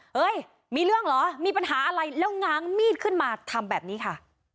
เฮ้ยมีเรื่องเหรอมีปัญหาอะไรแล้วง้างมีดขึ้นมาทำแบบนี้ค่ะ